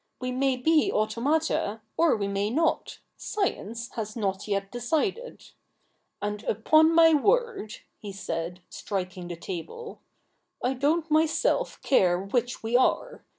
We may be automata, or we may not. Science has not yet decided. And upon my w^ord,' he said, striking the table, ' I don't myself care which we are.